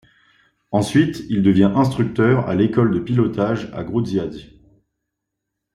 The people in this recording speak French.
Ensuite il devient instructeur à l'école de pilotage à Grudziądz.